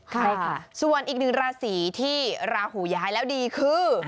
ใช่ค่ะส่วนอีกหนึ่งราศีที่ราหูย้ายแล้วดีคือ